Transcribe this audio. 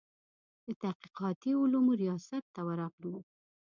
د تحقیقاتي علومو ریاست ته ورغلو.